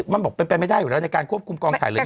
มันบอกเป็นไปไม่ได้อยู่แล้วในการควบคุมกองถ่ายเลย